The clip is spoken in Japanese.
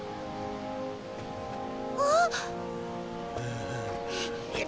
あっ！